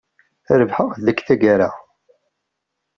Rebḥeɣ deg tagara.